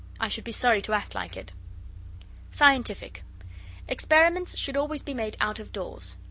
I should be sorry to act like it. SCIENTIFIC Experiments should always be made out of doors.